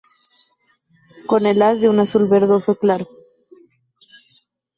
Con el haz de un azul-verdoso claro.